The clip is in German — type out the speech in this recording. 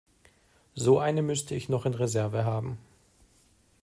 So eine müsste ich noch in Reserve haben.